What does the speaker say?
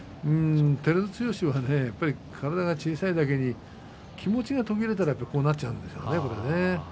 照強はやっぱり体が小さいだけに気持ちが途切れたらこうなっちゃうんですよね